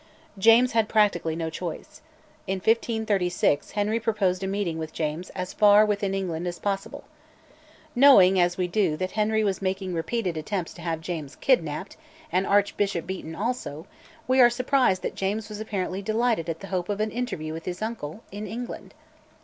James had practically no choice. In 1536 Henry proposed a meeting with James "as far within England as possible." Knowing, as we do, that Henry was making repeated attempts to have James kidnapped and Archbishop Beaton also, we are surprised that James was apparently delighted at the hope of an interview with his uncle in England.